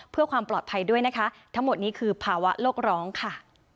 เพื่อความปลอดภัยด้วยนะคะทั้งหมดนี้คือภาวะโลกร้องค่ะ